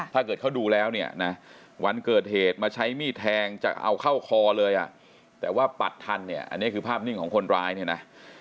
ถ้าเกิดเขาดูแล้วเนี่ยนะวันเกิดเหตุมาใช้มีดแทงจะเอาเข้าคอเลยอ่ะแต่ว่าปัดทันเนี่ยอันนี้คือภาพนิ่งของคนร้ายเนี่ยนะ